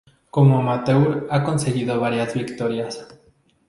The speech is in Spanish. Como amateur, ha conseguido varias victorias.